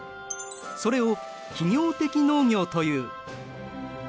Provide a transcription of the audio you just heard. それを企業的農業という。